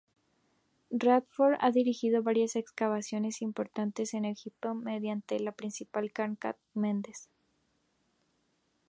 Redford ha dirigido varias excavaciones importantes en Egipto, principalmente en Karnak y Mendes.